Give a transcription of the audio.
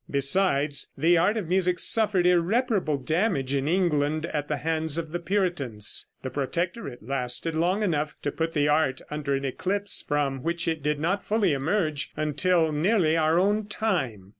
Besides, the art of music suffered irreparable damage in England at the hands of the Puritans. The protectorate lasted long enough to put the art under an eclipse from which it did not fully emerge until nearly our own time.